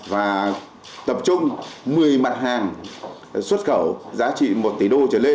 và tập trung một mươi mặt hàng xuất khẩu giá trị một tỷ đô trở lên